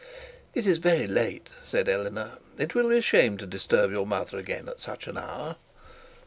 'It is very late,' said Eleanor, 'it will be a shame to disturb your mother at such an hour.'